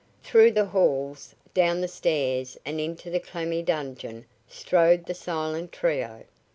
Through the halls, down the stairs and into the clammy dungeon strode the silent trio.